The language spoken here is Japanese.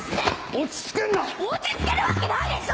落ち着けるわけないでしょ！